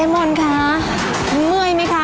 เจมส์มอนคะเหมือยไหมคะ